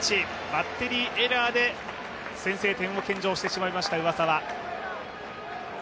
バッテリーエラーで先制点を献上してしまいました、上沢。